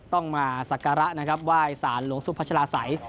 ต้องมาศักระนะครับว่ายสารหลวงทรุปพระชราสัย